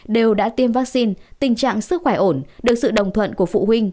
đều đã tiêm vaccine tình trạng sức khỏe ổn được sự đồng thuận của phụ huynh